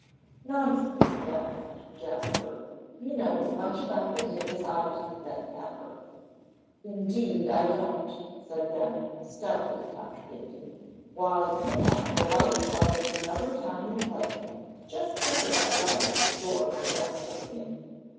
"Nonsense," laughed Jasper, "you know as much about the game as I do, Ben Pepper!" "Indeed I don't," said Ben, stoutly contradicting. "Why, you knock the life out of me every time we play. Just think of that last score, Jasper King!"